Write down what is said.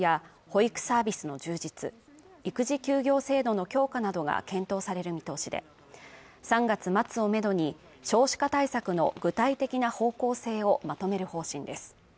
育児休業制度の強化などが検討される見通しで３月末をメドに少子化対策の具体的な方向性をまとめる方針です